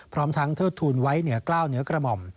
พร้อมทั้งเทิดทูลไว้เหนือกล้าวเหนือกระหม่อม